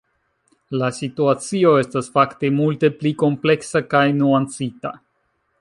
La situacio estas fakte multe pli kompleksa kaj nuancita.